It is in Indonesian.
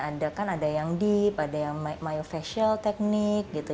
ada kan ada yang deep ada yang bio facial teknik gitu